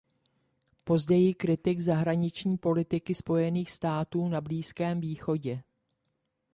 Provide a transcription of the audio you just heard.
Později kritik zahraniční politiky Spojených států na Blízkém východě.